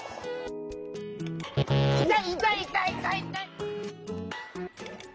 「いたいいたいいたいいたい」。